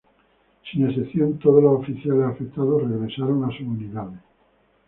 Sin excepción todos los oficiales afectados regresaron a sus unidades.